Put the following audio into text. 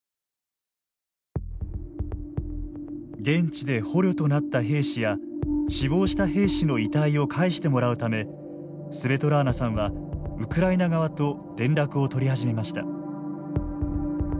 現地で捕虜となった兵士や死亡した兵士の遺体を返してもらうためスベトラーナさんはウクライナ側と連絡を取り始めました。